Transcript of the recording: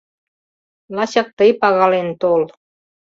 Лачак тый пагален тол.